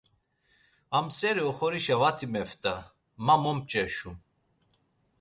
Amseri oxorişa vati meft̆a. Ma mo mç̌eşum.